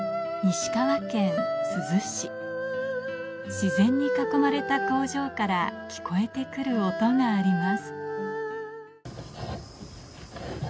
自然に囲まれた工場から聞こえて来る音があります